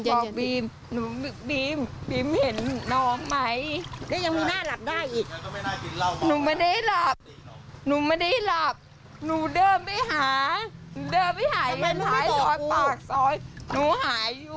แค่กูเห็นมันลองรับตำรวจอยู่กูขอลุกละนะ